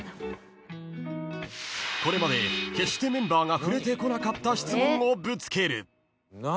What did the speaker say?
［これまで決してメンバーが触れてこなかった質問をぶつける］